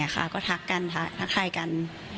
ก็ทักทายกัน